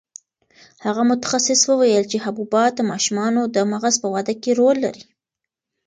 هغه متخصص وویل چې حبوبات د ماشومانو د مغز په وده کې رول لري.